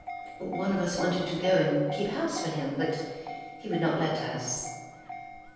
One of us wanted to go and keep house for him, but he would not let us.